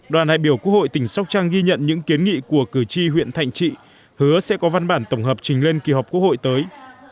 đoàn đại biểu quốc hội tỉnh sóc trăng ghi nhận những kiến nghị của cử tri huyện thạnh trị hứa sẽ có văn bản tổng hợp trình lên kỳ họp quốc hội tới